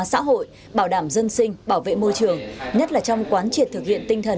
xã hội bảo đảm dân sinh bảo vệ môi trường nhất là trong quán triệt thực hiện tinh thần